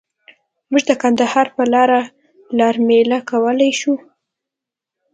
مونږ به د کندهار په لاره لار میله وکولای شو.